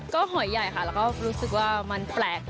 ก็หอยใหญ่ค่ะแล้วก็รู้สึกว่ามันแปลก